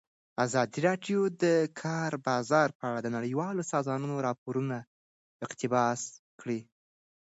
ازادي راډیو د د کار بازار په اړه د نړیوالو سازمانونو راپورونه اقتباس کړي.